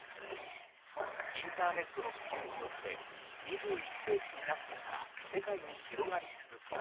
インターネットの普及によって２１世紀になってから世界に広がり続け